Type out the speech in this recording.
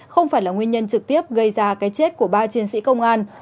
không phải là nguyên nhân trực tiếp gây ra cái chết của ba chiến sĩ công an